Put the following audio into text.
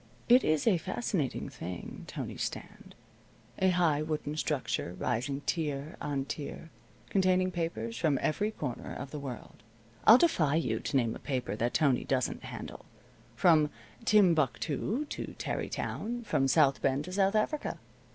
It is a fascinating thing, Tony's stand. A high wooden structure rising tier on tier, containing papers from every corner of the world. I'll defy you to name a paper that Tony doesn't handle, from Timbuctoo to Tarrytown, from South Bend to South Africa.